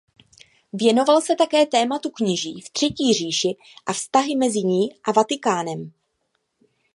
Věnoval se také tématu kněží v Třetí říši a vztahy mezi ní a Vatikánem.